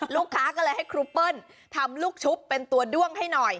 ลูกค้าก็เลยให้ครูเปิ้ลทำลูกชุบเป็นตัวด้วงให้หน่อย